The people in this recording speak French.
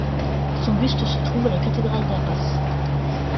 Son buste se trouve à la cathédrale d'Arras.